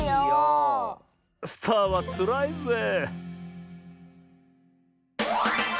スターはつらいぜえ。